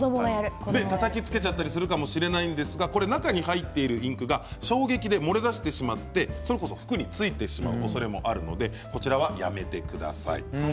たたきつけるかもしれませんが中に入っているインクが衝撃で漏れ出してしまって服についてしまうことがあるのでこちらは、やめてください。